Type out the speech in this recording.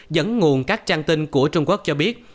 dẫn nguồn các trang tin của trung quốc cho biết